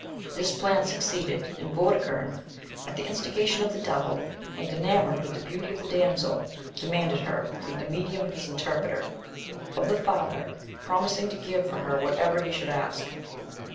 This plan succeeded; and Vortigern, at the instigation of the devil, and enamoured with the beauty of the damsel, demanded her, through the medium of his interpreter, of the father, promising to give for her whatever he should ask.